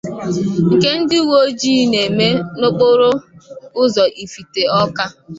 nke ndị uwe ojii na-eme n'okporo ụzọ Ifitè Awka